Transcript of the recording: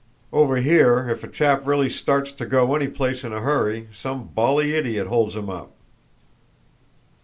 Over here if a chap really starts to go any place in a hurry some bally idiot holds him up."